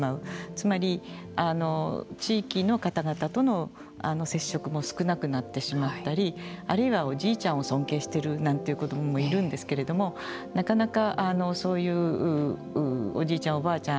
つまり、地域の方々との接触も少なくなってしまったりあるいは、おじいちゃんを尊敬しているなんて子どももいるんですけれどもなかなかそういうおじいちゃん、おばあちゃん